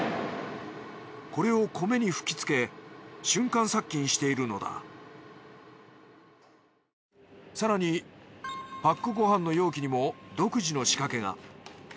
これを米に吹きつけ瞬間殺菌しているのだ更にパックご飯の容器にも独自の仕掛けが。